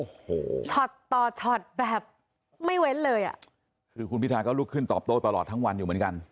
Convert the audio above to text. โอ้โหช็อตต่อช็อตแบบไม่เว้นเลยอ่ะคือคุณพิทาก็ลุกขึ้นตอบโต้ตลอดทั้งวันอยู่เหมือนกัน